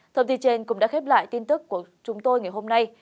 thông tin trên cũng đã khép lại tin tức của chúng tôi ngày hôm nay